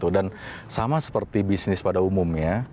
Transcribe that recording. dan sama seperti bisnis pada umumnya